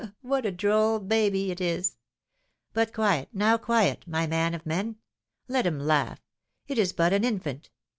what a droll baby it is! But quiet, now, quiet, my man of men; let him laugh, it is but an infant.